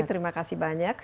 terima kasih banyak